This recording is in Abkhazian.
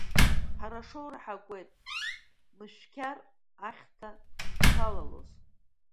Ҳара ашоура ҳакуеит, Мышәқьар ахьҭа шԥалалоз?!